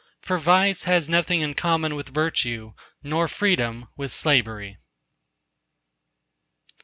For Vice has nothing in common with virtue, nor Freedom with slavery.